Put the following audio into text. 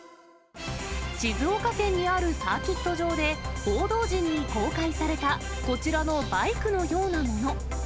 静岡県にあるサーキット場で、報道陣に公開されたこちらのバイクのようなもの。